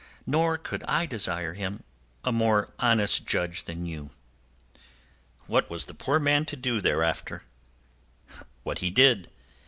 "Nor could I desire him a more honest judge than you." What was the poor man to do thereafter? What he did.